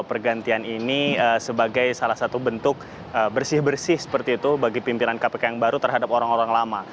pergantian ini sebagai salah satu bentuk bersih bersih seperti itu bagi pimpinan kpk yang baru terhadap orang orang lama